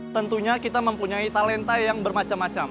tentunya kita mempunyai talenta yang bermacam macam